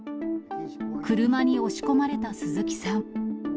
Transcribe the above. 車に押し込まれた鈴木さん。